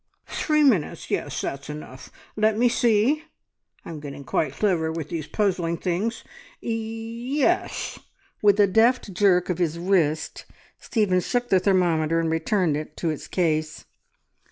"Three minutes. Yes, that's enough. Let me see! I'm getting quite clever with these puzzling things. Ye es!" With a deft jerk of his wrist Stephen shook the thermometer, and returned it to it's case.